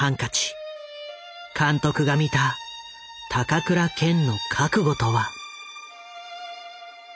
監督が見た高倉健の覚悟とは。